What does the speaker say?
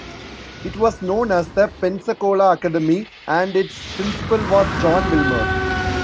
It was known as the "Pensacola Academy" and its principal was John Wilmer.